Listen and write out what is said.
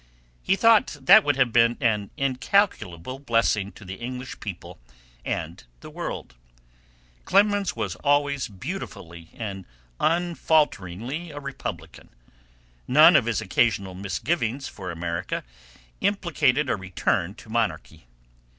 He thought that would have been an incalculable blessing to the English people and the world. Clemens was always beautifully and unfalteringly a republican. None of his occasional misgivings for America implicated a return to monarchy.